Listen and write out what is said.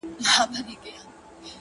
درته دعاوي هر ماښام كومه ـ